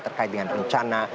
terkait dengan rencana